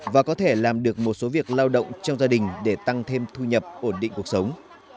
và có thể làm được một số việc lao động trong gia đình để tăng thêm thu nhập ổn định cuộc sống